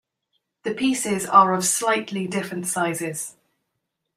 The pieces are of slightly different sizes.